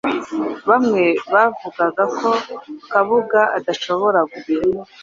bamwe bavugaga ko Kabuga adashobora gufatwa